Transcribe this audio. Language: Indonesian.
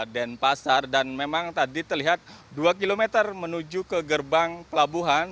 dan memang tadi terlihat dua km menuju ke gerbang pelabuhan